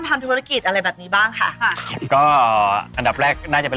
ปากข้อคิดดีสำหรับคนที่อยากจะเริ่มต้นทางธุรกิจ